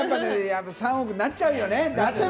３億になっちゃうよね。